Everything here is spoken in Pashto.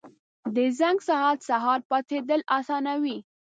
• د زنګ ساعت سهار پاڅېدل اسانوي.